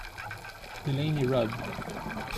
Delaney Rudd